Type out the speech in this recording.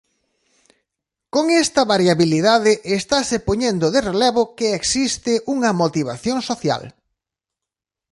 Con esta variabilidade estase poñendo de relevo que existe unha motivación social.